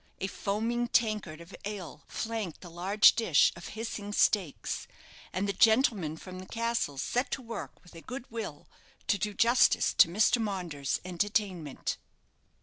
A foaming tankard of ale flanked the large dish of hissing steaks; and the gentlemen from the castle set to work with a good will to do justice to Mr. Maunders's entertainment.